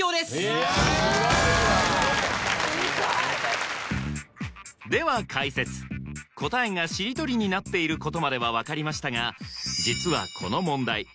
すごい！では解説答えがしりとりになっていることまでは分かりましたが実はこの問題